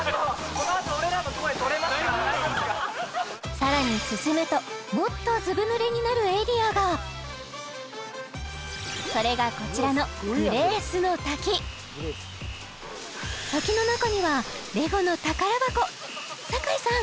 さらに進むともっとズブ濡れになるエリアがそれがこちらの滝の中にはレゴの宝箱酒井さん